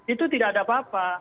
itu tidak ada apa apa